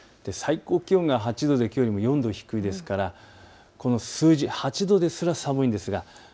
最高気温が８度できょうより４度低いですからこの数字、８度ですが寒いです。